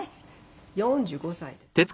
４５歳です。